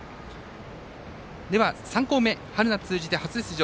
３校目、春夏通じて初出場